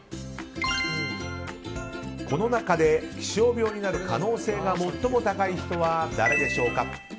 この中で、気象病になる可能性が最も高い人は誰でしょうか？